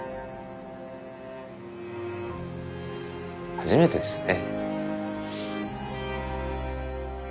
初めてですね。